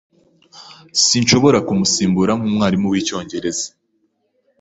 Sinshobora kumusimbura nkumwarimu wicyongereza.